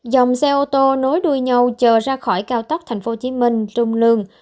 dòng xe ô tô nối đuôi nhau chờ ra khỏi cao tốc tp hcm trung lương